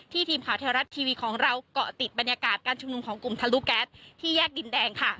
ทีมข่าวเทวรัฐทีวีของเราเกาะติดบรรยากาศการชุมนุมของกลุ่มทะลุแก๊สที่แยกดินแดงค่ะ